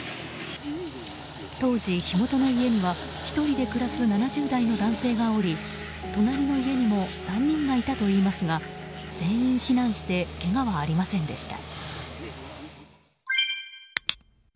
当時、火元の家には１人で暮らす７０代の男性がおり隣の家にも３人がいたといいますが全員避難してけがはありませんでした。